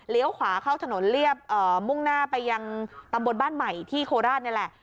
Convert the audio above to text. ขวาเข้าถนนเรียบมุ่งหน้าไปยังตำบลบ้านใหม่ที่โคราชนี่แหละ